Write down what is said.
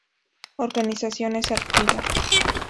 Organizaciones activas